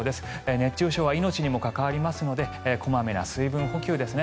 熱中症は命にも関わりますので小まめな水分補給ですね。